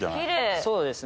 そうですね。